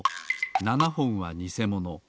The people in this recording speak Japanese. ７ほんはにせもの。